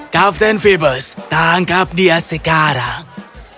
kapten phoebus tangkap dia sekarang